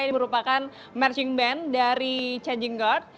ini merupakan marching band dari changing guard